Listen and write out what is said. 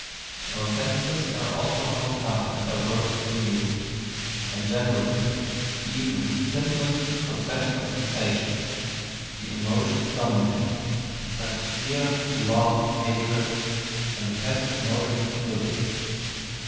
Our senses are also hostile and averse to the new; and generally, even in the "simplest" processes of sensation, the emotions DOMINATE such as fear, love, hatred, and the passive emotion of indolence.